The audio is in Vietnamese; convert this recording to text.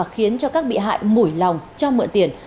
khiến cho các bị hại mùi lòng cho mượn tiền